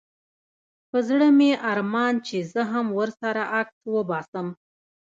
په زړه مي ارمان چي زه هم ورسره عکس وباسم